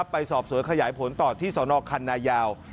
ไปสอบสวนขยายผลต่อที่สนคันนายาว